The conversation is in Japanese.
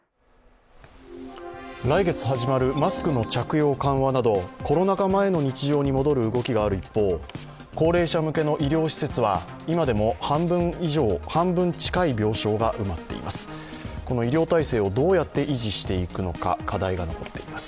来月始まるマスクの着用緩和などコロナ禍前の日常に戻る動きがある一方、高齢者向けの医療施設は今でも半分近い病床が埋まっています。